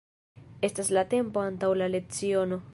Estas la tempo antaŭ la leciono.